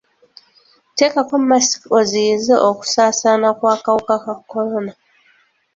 Teekako masiki oziiyize okusaasaana kw'akawuka ka kolona.